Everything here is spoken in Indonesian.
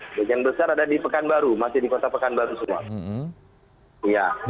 sebagian besar ada di pekanbaru masih di kota pekanbaru semua